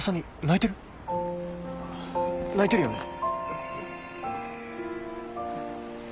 泣いてるよね？